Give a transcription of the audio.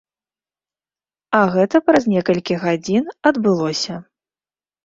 А гэта праз некалькі гадзін адбылося.